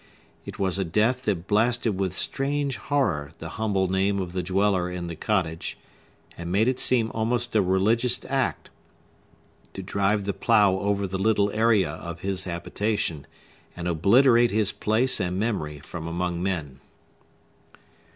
It was a death that blasted with strange horror the humble name of the dweller in the cottage, and made it seem almost a religious act to drive the plough over the little area of his habitation, and obliterate his place and memory from among men.